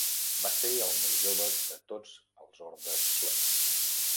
Va ser el més jove de tots els ordes suecs.